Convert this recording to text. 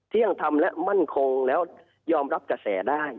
ยังทำและมั่นคงแล้วยอมรับกระแสได้